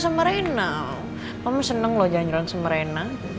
semerenang kamu senang loh jangan meronsum merenang